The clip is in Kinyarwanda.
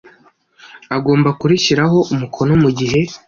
Agomba kurishyiraho umukono mu gihe